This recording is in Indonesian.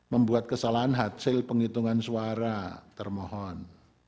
membuat kesalahan hasil penghitungan suara termohon